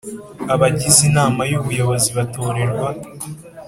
abagize Inama y Ubuyobozi batorerwa